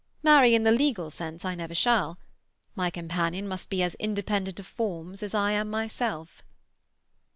Marry in the legal sense I never shall. My companion must be as independent of forms as I am myself."